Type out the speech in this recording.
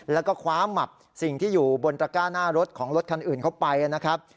แล้วก็คว้าหมับสิ่งที่อยู่บนตระก้าหน้ารถของรถคันอื่นเข้าไปนะครับ